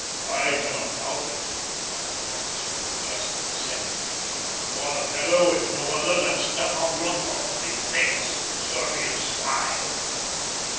"I cannot doubt it," replied the officer who had just descended, "for the fellow is no other than Stefan Drontoff, the famous Serbian spy!"